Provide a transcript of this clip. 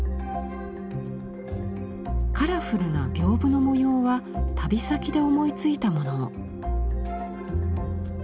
カラフルな屏風の模様は旅先で思いついたもの。